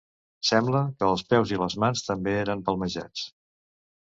Sembla que els peus i les mans també eren palmejats.